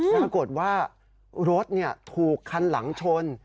แล้วก็รถถูกคันหลังชน